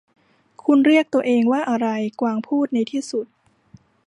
'คุณเรียกตัวเองว่าอะไร ?' กวางพูดในที่สุด